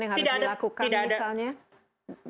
yang harus dilakukan misalnya tidak ada